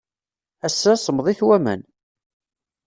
Ass-a, semmḍit waman.